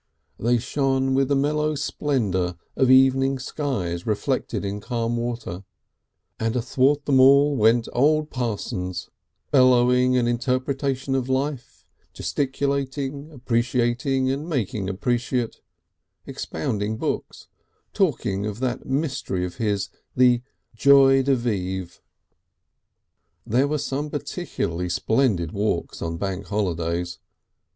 They shone with the mellow splendour of evening skies reflected in calm water, and athwart them all went old Parsons bellowing an interpretation of life, gesticulating, appreciating and making appreciate, expounding books, talking of that mystery of his, the "Joy de Vive." There were some particularly splendid walks on Bank holidays.